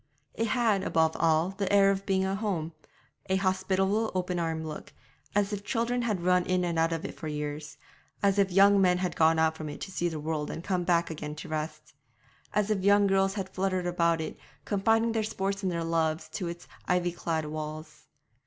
It had, above all, the air of being a home a hospitable open armed look, as if children had run in and out of it for years, as if young men had gone out from it to see the world and come back again to rest, as if young girls had fluttered about it, confiding their sports and their loves to its ivy clad walls.